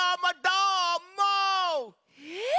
えっ